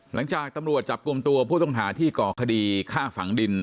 หลังจากตำรวจจับกลุ่มตัวผู้ต้องหาที่ก่อคดีฆ่าฝังดิน